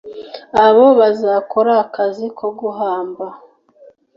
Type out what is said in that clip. abo bazakora akazi ko guhamba